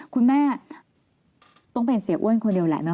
คุณแม่ต้องเป็นเสียอ้วนคนเดียวแหละเนอ